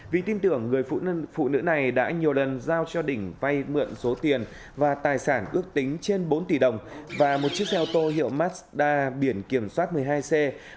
vì tin tưởng người phụ nữ này đã nhiều lần giao cho đỉnh vay mượn số tiền và tài sản ước tính trên bốn tỷ đồng và một chiếc xe ô tô hiệu mazda biển kiểm soát một mươi hai c năm nghìn bảy trăm một mươi ba